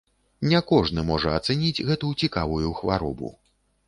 Не кожны можа ацаніць гэту цікавую хваробу.